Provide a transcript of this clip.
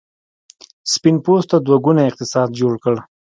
سپین پوستو دوه ګونی اقتصاد جوړ کړ.